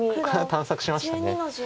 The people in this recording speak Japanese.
探索しました。